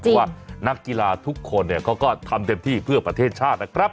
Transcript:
เพราะว่านักกีฬาทุกคนเขาก็ทำเต็มที่เพื่อประเทศชาตินะครับ